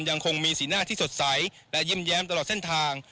ยังคงมีสีหน้าที่สดใสและยิ้มแย้มตลอดเส้นทาง